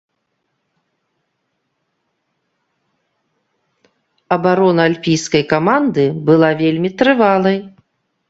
Абарона альпійскай каманды была вельмі трывалай.